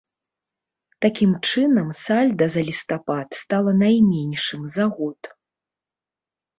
Такім чынам, сальда за лістапад стала найменшым за год.